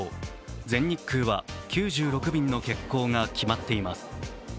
全日空は９６便の欠航が決まっています。